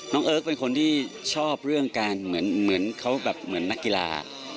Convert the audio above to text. เอิร์กเป็นคนที่ชอบเรื่องการเหมือนเขาแบบเหมือนนักกีฬา